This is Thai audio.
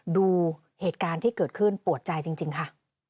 ดูเหตุการณ์ที่เกิดขึ้นปวดใจจริงค่ะ